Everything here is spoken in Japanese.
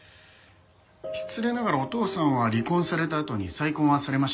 失礼ながらお父さんは離婚されたあとに再婚はされました？